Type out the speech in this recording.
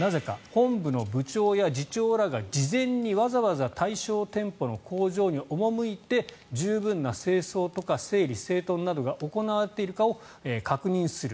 本部の部長や次長らが事前にわざわざ対象店舗の工場に赴いて十分な清掃とか整理整頓などが行われているかを確認する。